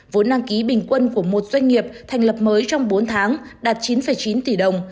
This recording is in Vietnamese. vốn đăng ký bình quân của một doanh nghiệp thành lập mới trong bốn tháng đạt chín chín tỷ đồng